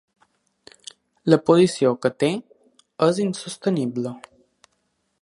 La posició que té és insostenible.